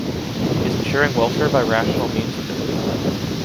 Is ensuring welfare by rational means ability?